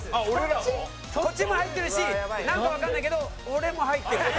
こっちも入ってるしなんかわかんないけど俺も入ってる。